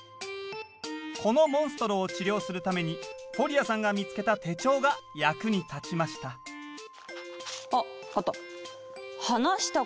このモンストロを治療するためにフォリアさんが見つけた手帳が役に立ちましたああった。